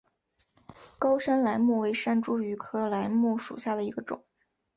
高山梾木为山茱萸科梾木属下的一个种。